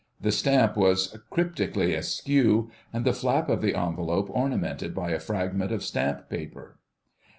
The stamp was cryptically askew and the flap of the envelope ornamented by a fragment of stamp paper.